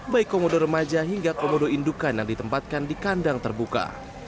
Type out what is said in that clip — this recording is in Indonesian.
baik komodo remaja hingga komodo indukan yang ditempatkan di kandang terbuka